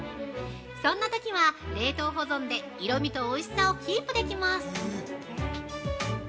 そんなときは冷凍保存で色味と、おいしさをキープできます！